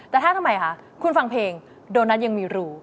แต่ถ้าทำไมคะคุณฟังเพลงโดนัทยังมีรู